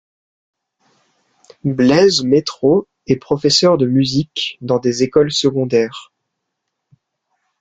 Blaise Mettraux est professeur de musique dans des écoles secondaires.